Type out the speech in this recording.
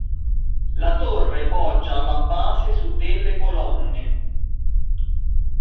La torre poggia alla base su delle colonne.